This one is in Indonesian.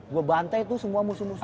gue bantai tuh semua musuh musuh